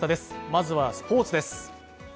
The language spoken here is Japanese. まずはスポーツです。